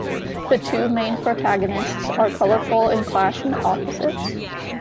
The two main protagonists are colorful and clashing opposites.